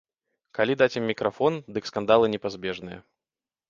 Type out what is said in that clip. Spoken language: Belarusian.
Калі даць ім мікрафон, дык скандалы непазбежныя.